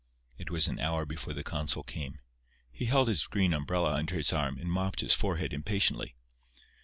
It was an hour before the consul came. He held his green umbrella under his arm, and mopped his forehead impatiently.